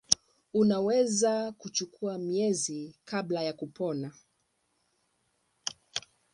Unaweza kuchukua miezi kabla ya kupona.